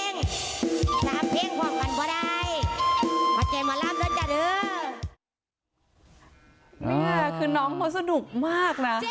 นี่ค่ะคือน้องเขาสนุกมากนะ